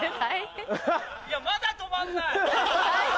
まだ止まんない。